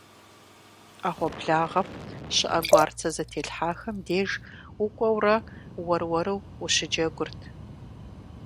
Ӏэгъуэблагъэм щыӀэ гуарцэ зэтелъхьахэм деж укӀуэурэ уэр-уэру ущыджэгурт.